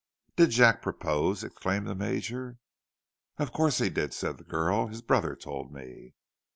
"Did Jack propose?" exclaimed the Major. "Of course he did," said the girl. "His brother told me."